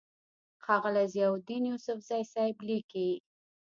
ښاغلے ضياءالدين يوسفزۍ صېب ليکي: